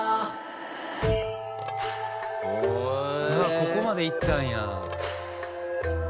ここまでいったんや。